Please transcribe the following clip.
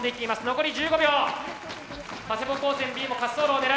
残り１０秒。